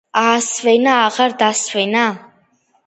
აასვენა, აღარ დაასვენა